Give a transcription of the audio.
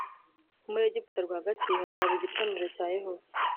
muri egiputa rwagati hazaba igicaniro cya yehova